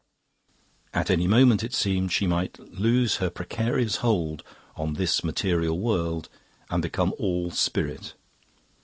At any moment, it seemed, she might loose her precarious hold on this material world and become all spirit.